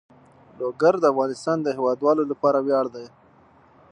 لوگر د افغانستان د هیوادوالو لپاره ویاړ دی.